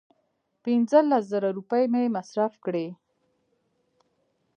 پنځه لس زره روپۍ یې مصرف کړې.